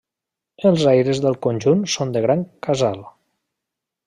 Els aires del conjunt són de gran casal.